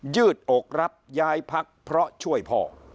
ืดอกรับย้ายพักเพราะช่วยพ่อ